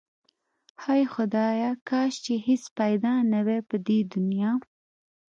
هی خدایا کاش چې هیڅ پیدا نه واي په دی دنیا